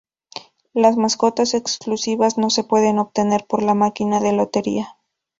Las mascotas exclusivas no se pueden obtener por la máquina de lotería.